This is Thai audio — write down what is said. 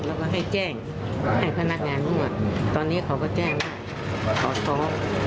แล้วก็ให้แจ้งให้พนักงานนวดตอนนี้เขาก็แจ้งว่าเขาท้อง